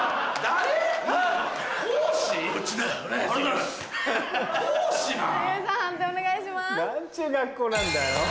何ちゅう学校なんだよ。